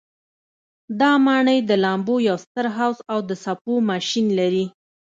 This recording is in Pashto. دا ماڼۍ د لامبو یو ستر حوض او څپو ماشین لري.